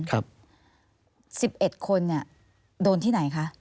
๑๑คนเนี่ยโดนที่ไหนคะ